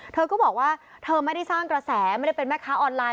เธอก็บอกว่าเธอไม่ได้สร้างกระแสไม่ได้เป็นแม่ค้าออนไลน